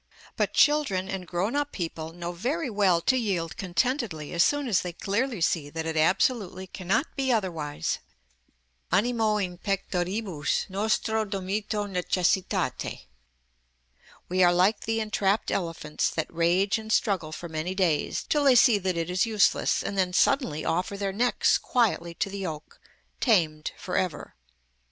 But children and grown up people know very well to yield contentedly as soon as they clearly see that it absolutely cannot be otherwise:—Θυμὸν ἐνὶ στήθεσσι φίλον δαμάσσαντες ἀνάγκη (Animo in pectoribus nostro domito necessitate). We are like the entrapped elephants, that rage and struggle for many days, till they see that it is useless, and then suddenly offer their necks quietly to the yoke, tamed for ever.